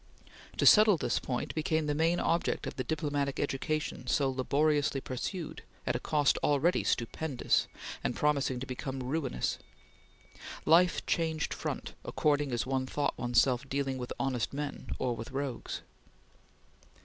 To settle this point became the main object of the diplomatic education so laboriously pursued, at a cost already stupendous, and promising to become ruinous. Life changed front, according as one thought one's self dealing with honest men or with rogues.